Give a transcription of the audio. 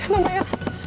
ya ampun ya